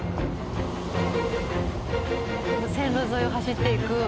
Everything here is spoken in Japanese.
線路沿いを走っていく。